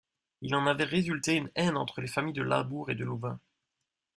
Il en avait résulté une haine entre les familles de Limbourg et de Louvain.